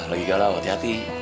lagi galau hati hati